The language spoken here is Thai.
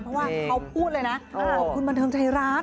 เพราะว่าเขาพูดเลยนะขอบคุณบันเทิงไทยรัฐ